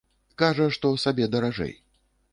Кажа, што сабе даражэй.